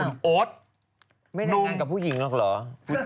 ไม่ได้ข้างกับผู้หญิงราวเหรอ